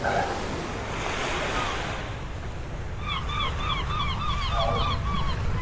直茎鼠曲草为菊科鼠曲草属下的一个种。